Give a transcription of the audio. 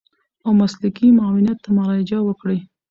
او مسلکي معاونيت ته مراجعه وکړي.